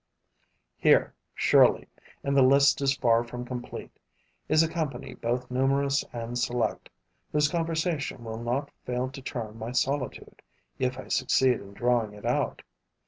Here, surely and the list is far from complete is a company both numerous and select, whose conversation will not fail to charm my solitude, if I succeed in drawing it out.